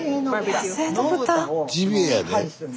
ジビエやで。